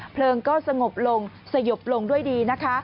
เพลิงก็สงบลงสยบลงด้วยดีนะคะ